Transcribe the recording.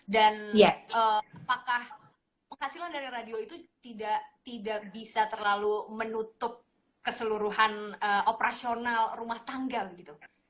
dan apakah hasilnya dari radio itu tidak bisa terlalu menutup keseluruhan operasional rumah tangga gitu